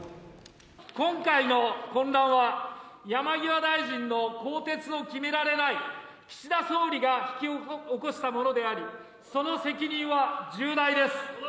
今回の混乱は、山際大臣の更迭を決められない岸田総理が引き起こしたものであり、その責任は重大です。